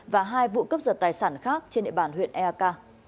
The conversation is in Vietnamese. và hai vụ cướp giật tài sản khác trên địa bàn huyện eak